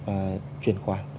và truyền khoản